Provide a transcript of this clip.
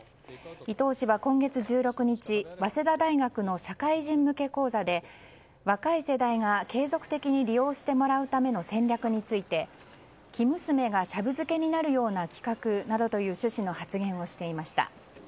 伊東氏は今月１６日早稲田大学の社会人向け講座で若い世代が継続的に利用してもらうための戦略について、生娘がシャブ漬けになるような企画などという趣旨の発言をしていました。